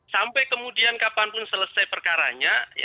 sampai kemudian kapanpun selesai perkaranya